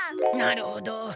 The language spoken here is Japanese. なるほど。